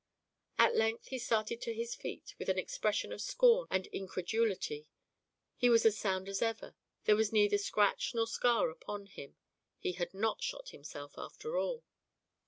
At length he started to his feet with an expression of scorn and incredulity; he was as sound as ever, there was neither scratch nor scar upon him; he had not shot himself after all.